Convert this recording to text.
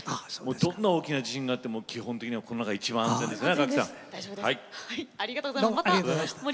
どんな大きな地震があっても基本的にはこの中が一番安全ですね。